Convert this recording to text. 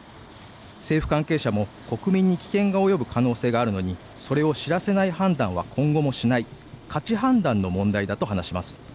政府関係者も国民に危険が及ぶ可能性があるのに、それを知らせない判断は今後もしない、価値判断の問題だと話します